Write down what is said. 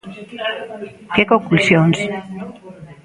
¿Que conclusións?